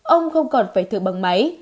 ông không còn phải thở bằng máy